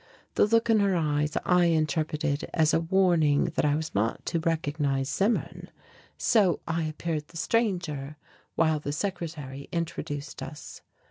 The look in her eyes I interpreted as a warning that I was not to recognize Zimmern. So I appeared the stranger while the secretary introduced us.